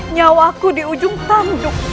nyawaku di ujung tangduk